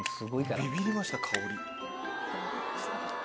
ビビりました香り。